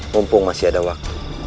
mumpung masih ada waktu